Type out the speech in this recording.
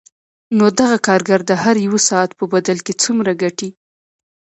نو دغه کارګر د هر یوه ساعت په بدل کې څومره ګټي